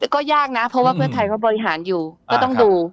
ก็ยากนะเพราะว่าเพื่อไทยเขาบริหารอยู่ก็ต้องดู